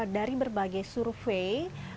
dari berbagai survei